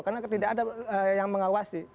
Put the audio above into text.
karena tidak ada yang mengawasi